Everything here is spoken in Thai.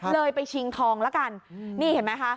เลยไปชิงทองละกันนี่เห็นไหมคะ